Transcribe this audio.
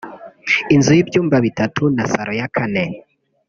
inzu y’ibyumba bitatu na salo ya Kane